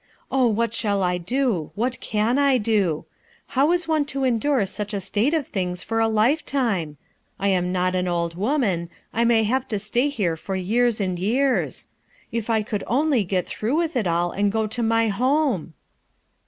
Oh, what shall I do? what can I do ! How is one to endure such a state of things for a lifetime ? I am not an old woman. I may have to stay here for years and years ! If I could only get through with it aU and go to my home!"